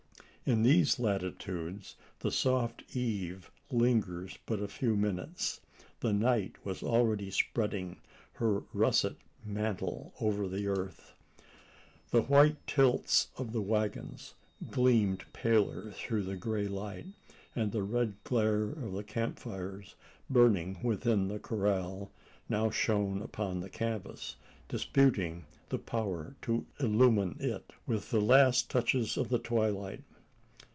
In these latitudes, the soft eve lingers but a few minutes; and night was already spreading her russet mantle over the earth. The white tilts of the waggons gleamed paler through the grey light; and the red glare of the camp fires, burning within the corral, now shone upon the canvas disputing the power to illumine it, with the last touches of the twilight.